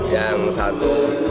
yang satu empat